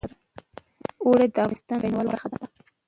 اوړي د افغانستان د بڼوالۍ برخه ده.